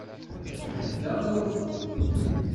Nhegga i waffug.